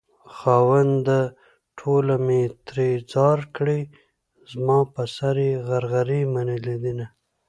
خاونده ټوله مې ترې ځار کړې زما په سر يې غرغرې منلي دينه